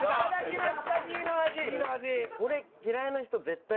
これ嫌いな人絶対いない。